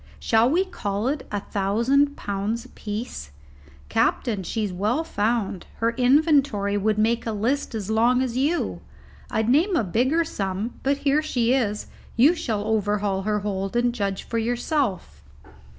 Shall we call it a thousand pounds apiece? Captain, she's well found: her inventory would make a list as long as you; I'd name a bigger sum, but here she is, you shall overhaul her hold and judge for yourself."